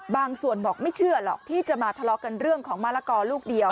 บางส่วนบอกไม่เชื่อหรอกที่จะมาทะเลาะกันเรื่องของมะละกอลูกเดียว